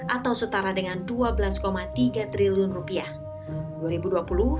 atau setara dengan dua belas tiga triliun rupiah